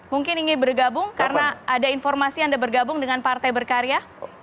mungkin ingin bergabung karena ada informasi anda bergabung dengan partai berkarya